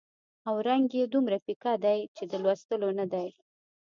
او رنګ یې دومره پیکه دی چې د لوستلو نه دی.